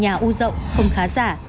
nhà ưu dậu không khá giả